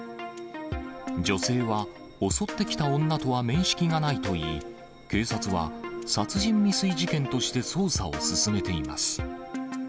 女性は、襲ってきた女とは面識がないといい、警察は殺人未遂事件として捜査を進めています。